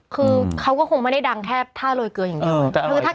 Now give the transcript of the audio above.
คือเขาก็คงไม่ได้ดังแค่ท่าโรยเกลืออย่างนี้